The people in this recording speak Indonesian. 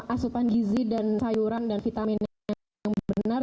asupan gizi dan sayuran dan vitamin yang benar